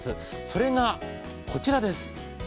それがこちらです。